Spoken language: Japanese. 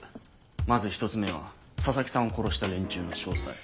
まず１つ目は佐々木さんを殺した連中の詳細。